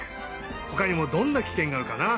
ほかにもどんなキケンがあるかな？